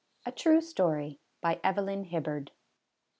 (A True Story.) BY EVELYN HIBBARD.